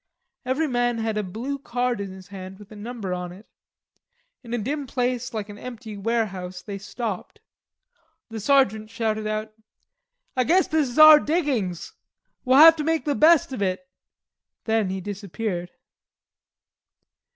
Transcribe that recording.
Every man had a blue card in his hand with a number on it. In a dim place like an empty warehouse they stopped. The sergeant shouted out: "I guess this is our diggings. We'll have to make the best of it." Then he disappeared.